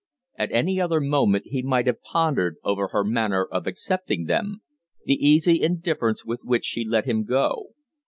At any other moment he might have pondered over her manner of accepting them the easy indifference with which she let him go.